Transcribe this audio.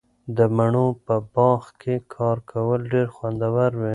د مڼو په باغ کې کار کول ډیر خوندور وي.